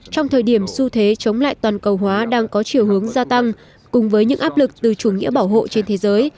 trong thời điểm xu thế chống lại toàn cầu hóa đang có chiều hướng gia tăng cùng với những áp lực từ chủ nghĩa bảo hộ trên thế giới